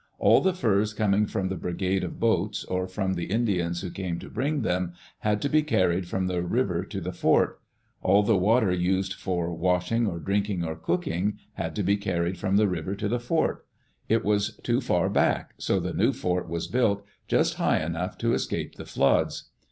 All the furs coming from the Brigade of Boats, or from the Indians who came to bring them, Digitized by VjOOQ IC FORT VANCOUVER AND JOHN McLOUGHLIN had to be carried from the river to the fort. All the water used, for washing or drinking or cooking, had to be carried from the river to the fort. It was too far back, so the new fort was built, just hi^ enough to escape the floods.